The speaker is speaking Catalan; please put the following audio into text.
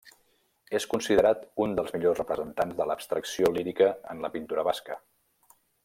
És considerat un dels millors representants de l'Abstracció Lírica en la pintura basca.